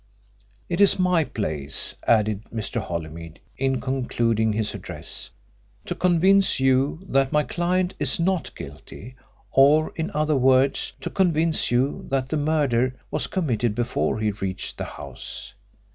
"It is my place," added Mr. Holymead, in concluding his address, "to convince you that my client is not guilty, or, in other words, to convince you that the murder was committed before he reached the house.